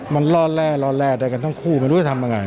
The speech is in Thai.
มันล่อแร่ล่อแร่ได้กันทั้งคู่ไม่รู้จะทำยังไง